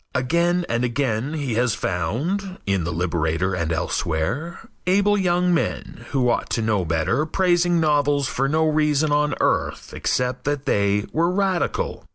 Again and again he has found, in The Liberator and elsewhere, able young men, who ought to know better, praising novels for no reason on earth except that they were radical.